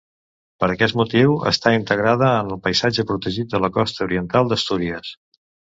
Per aquest motiu està integrada en el Paisatge Protegit de la Costa Oriental d'Astúries.